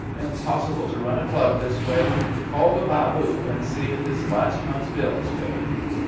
Impossible to run a Club this way. Call the Babu and see if his last month's bill is paid.